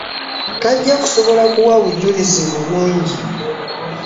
Tajja kusobola kuwa bujulizi bulungi.